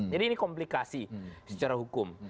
jadi ini komplikasi secara hukum